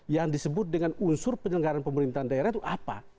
yang disebut dengan unsur penyelenggaran pemerintahan daerah itu apa